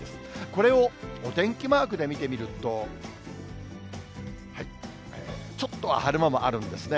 これをお天気マークで見てみると、ちょっとは晴れ間もあるんですね。